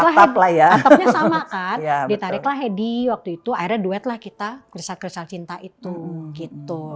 atapnya sama kan ditariklah headi waktu itu akhirnya duet lah kita kristal kristal cinta itu gitu